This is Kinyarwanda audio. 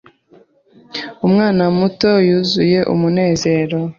Umwana muto Yuzuye umunezero